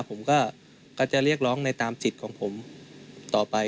ผมก็จะเรียกร้องในตามสิทธิ์ของผมต่อไป